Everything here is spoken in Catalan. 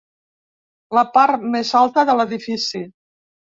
La part més alta de l'edifici.